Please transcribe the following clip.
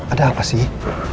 ada apa sih